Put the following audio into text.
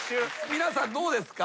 皆さんどうですか？